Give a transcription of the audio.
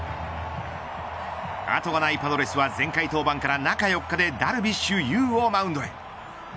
後がないパドレスは前回登板から中４日でダルビッシュ有をマウンドへ。